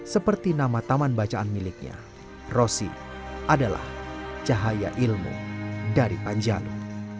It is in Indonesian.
seperti nama taman bacaan miliknya rosi adalah cahaya ilmu dari panjalu